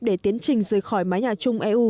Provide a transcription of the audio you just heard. để tiến trình rời khỏi mái nhà chung eu